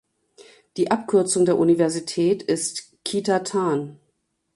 Die Abkürzung der Universität ist "Kita Tan".